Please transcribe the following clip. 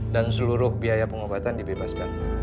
dan seluruh biaya pengobatan dibebaskan